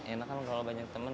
enak kan kalau banyak temen